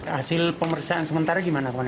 hasil pemeriksaan sementara gimana